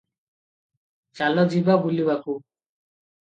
ଚାଲ ଯିବା ବୁଲିବାକୁ